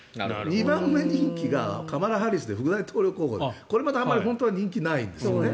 ２番目人気がカマラ・ハリス副大統領これまた、実はあまり人気がないんですね。